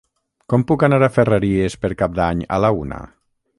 Com puc anar a Ferreries per Cap d'Any a la una?